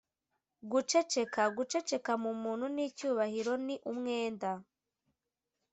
guceceka: guceceka mu muntu ni icyubahiro, ni umwenda